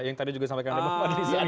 yang tadi juga sampaikan dari bapak